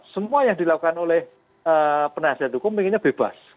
semua yang dilakukan oleh penasihat hukum inginnya bebas